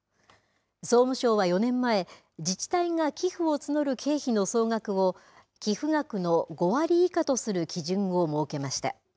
総務省は４年前、自治体が寄付を募る経費の総額を、寄付額の５割以下とする基準を設けました。